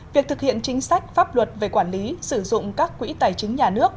việc thực hiện chính sách pháp luật về quản lý sử dụng các quỹ tài chính nhà nước